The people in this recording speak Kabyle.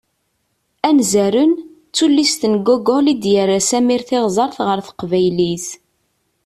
"Anzaren", d tullist n Gogol i d-yerra Samir Tiɣzert ɣer teqbaylit.